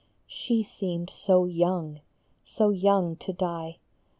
She seemed so young, so young to die